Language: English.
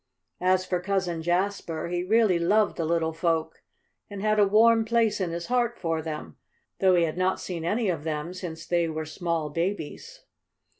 As for Cousin Jasper, he really loved the little folk, and had a warm place in his heart for them, though he had not seen any of them since they were small babies.